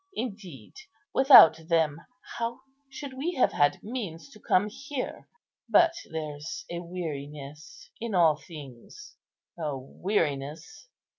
Indeed, without them, how should we have had means to come here? But there's a weariness in all things." "A weariness!